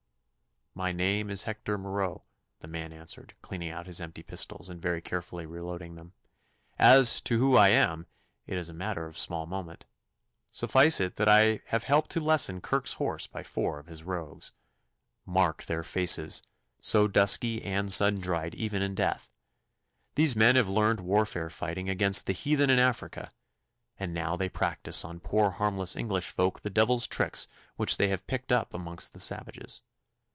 'My name is Hector Marot,' the man answered, cleaning out his empty pistols and very carefully reloading them. 'As to who I am, it is a matter of small moment. Suffice it that I have helped to lessen Kirk's horse by four of his rogues. Mark their faces, so dusky and sun dried even in death. These men have learned warfare fighting against the heathen in Africa, and now they practise on poor harmless English folk the devil's tricks which they have picked up amongst the savages.